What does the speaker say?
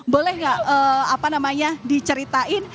boleh nggak apa namanya diceritain